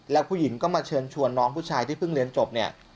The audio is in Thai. แล้วผู้หญิงก็มาเชิญชวนน้องผู้ชายที่เพิ่งเรียนจบเนี่ย